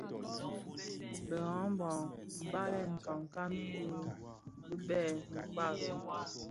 Bë habra mbalèn nkankan bi bibèl (Mkpa - Bhèl),